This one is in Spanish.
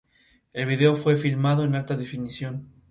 El video fue filmado en alta definición.